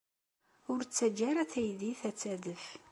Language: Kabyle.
Ur ttaǧǧa ara taydit ad d-tadef.